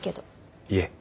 いえ。